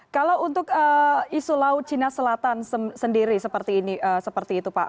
kalau untuk isu laut cina selatan sendiri seperti itu pak